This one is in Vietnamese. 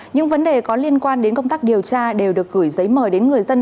những vấn đề có liên quan đến công tác điều tra đều được gửi giấy mời đến người dân